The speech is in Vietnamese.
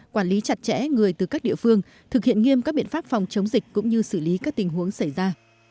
quản lý chặt chẽ người từ các địa phương thực hiện nghiêm các biện pháp phòng chống dịch cũng như xử lý các tình huống xảy ra